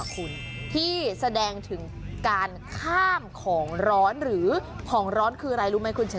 กันข้ามของร้อนหรือของร้อนคืออะไรรู้มั้ยคุณฉัน